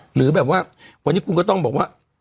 หรือแบบว่าวันนี้คุณก็ต้องบอกว่า